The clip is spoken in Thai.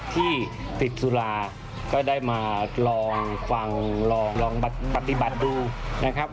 ที่ติดสุราก็ได้มาลองฟังลองปฏิบัติดูนะครับ